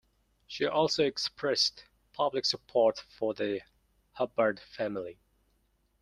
She also expressed public support for the Hubbard family.